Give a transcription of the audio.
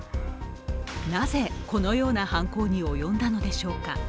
なぜ、このような犯行に及んだのでしょうか。